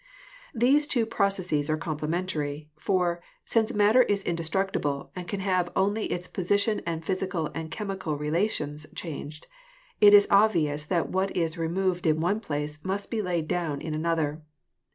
These two processes are complementary; for, since matter is indestructible, and can have only its position and physical and chemical relations changed, it is obvious that what is removed in one place must be laid down in another.